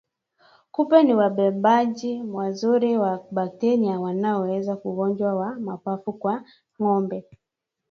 Kupe ni wabebaji wazuri wa bakteria wanaoeneza ugonjwa wa mapafu kwa ngombe